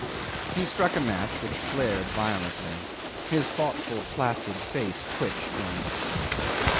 'He struck a match, which flared violently. His thoughtful placid face twitched once.